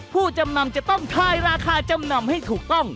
ผู้จำนำจะต้องทายราคาจำนำให้ถูกต้อง